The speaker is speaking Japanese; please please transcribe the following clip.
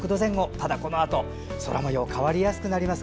ただ、このあと空模様が変わりやすくなります。